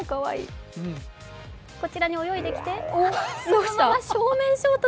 こちらに泳いできて、そのまま正面衝突。